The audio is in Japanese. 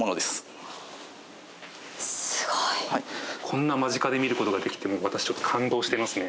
こんな間近で見る事ができて私ちょっと感動していますね！